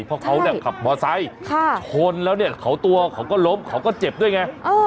เพราะเขาขับมอเซนท์โชนแล้วเขาตัวเขาก็ล้มเขาก็เจ็บด้วยไง